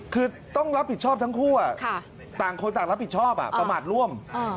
คือต้องรับผิดชอบทั้งคู่ต่างคนต่างรับผิดชอบประมาทร่วม